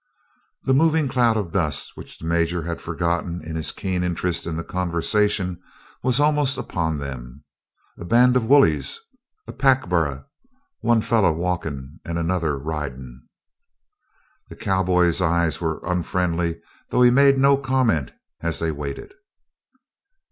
The moving cloud of dust which the Major had forgotten in his keen interest in the conversation was almost upon them. "A band of woolies, a pack burro, one feller walkin', and another ridin'." The cowboy's eyes were unfriendly, though he made no comment as they waited.